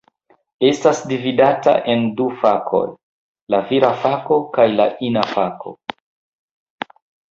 Estas dividata en du fakoj: la vira fako kaj la ina fako.